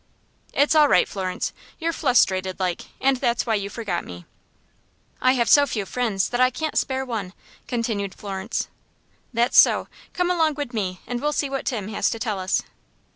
"It's all right, Florence. You're flustrated like, and that's why you forget me." "I have so few friends that I can't spare one," continued Florence. "That's so. Come along wid me, and we'll see what Tim has to tell us."